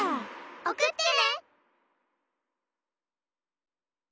・おくってね。